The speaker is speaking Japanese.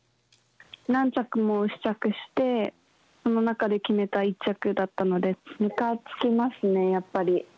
何着も試着して、その中で決めた一着だったので、むかつきますね、やっぱり。